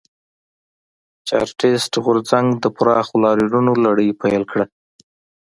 چارټېست غورځنګ د پراخو لاریونونو لړۍ پیل کړه.